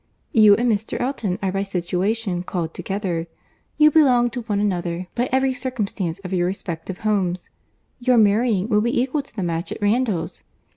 You and Mr. Elton are by situation called together; you belong to one another by every circumstance of your respective homes. Your marrying will be equal to the match at Randalls.